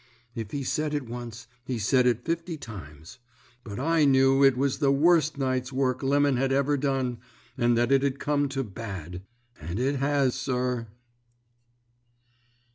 "If he said it once he said it fifty times. But I knew it was the worst night's work Lemon had ever done, and that it'd come to bad. And it has, sir."